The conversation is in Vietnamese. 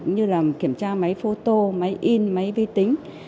như là kiểm tra máy phô tô máy in máy vi tính